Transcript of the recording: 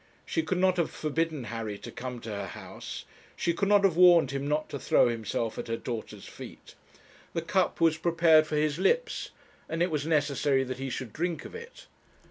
She could not have forbidden Harry to come to her house she could not have warned him not to throw himself at her daughter's feet. The cup was prepared for his lips, and it was necessary that he should drink of it.